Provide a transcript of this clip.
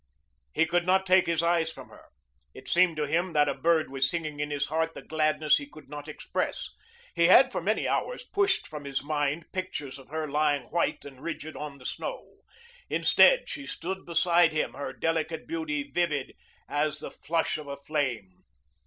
He could not take his eyes from her. It seemed to him that a bird was singing in his heart the gladness he could not express. He had for many hours pushed from his mind pictures of her lying white and rigid on the snow. Instead she stood beside him, her delicate beauty vivid as the flush of a flame.